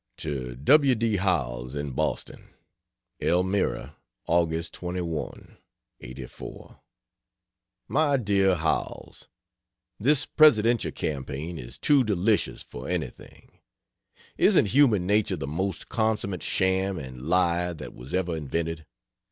To W. D. Howells, in Boston: ELMIRA, Aug. 21, '84. MY DEAR HOWELLS, This presidential campaign is too delicious for anything. Isn't human nature the most consummate sham and lie that was ever invented?